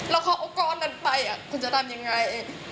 แล้วเขาเอาก้อนนั้นไปคุณจะทำยังไง